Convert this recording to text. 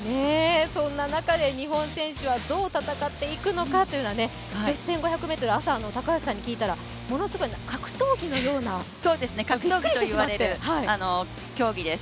そんな中、日本選手はどう戦っていくのかというのは女子１５０００ｍ、高橋さんに聞いたらそうですね格闘技と言われる競技です。